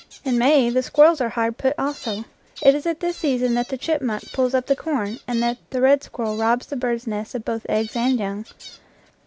In May the squirrels are hard put also. It is at this season that the chipmunk pulls up the corn, and that the red squirrel robs the birds' nests of both eggs and young.